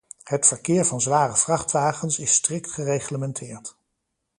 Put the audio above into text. Het verkeer van zware vrachtwagens is strikt gereglementeerd.